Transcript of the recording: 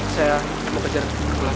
saya bekerja pulang